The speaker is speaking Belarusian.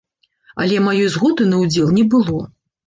Але маёй згоды на ўдзел не было.